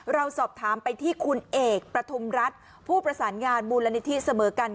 เราสอบถามไปที่คุณเอกประทุมรัฐผู้ประสานงานมูลนิธิเสมอกัน